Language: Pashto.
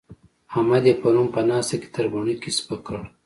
احمد يې پرون په ناسته کې تر بڼکې سپک کړ.